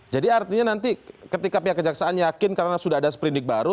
jadi artinya nanti ketika pihak kejaksaan yakin karena sudah ada seperindik baru